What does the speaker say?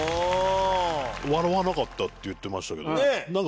笑わなかったって言ってましたけど。